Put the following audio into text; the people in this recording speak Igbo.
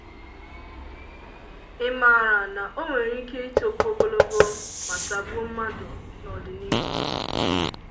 ị mara na o nwere ike itokwu ogologo ma tagbuo mmadụ n'ọdịnihu